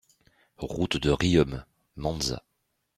Route de Riom, Manzat